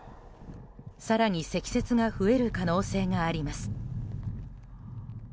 更に、積雪が増える可能性があります。